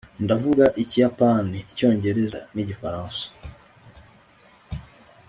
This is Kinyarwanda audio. ndavuga ikiyapani, icyongereza, n'igifaransa